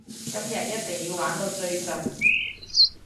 今日一定要玩到最盡！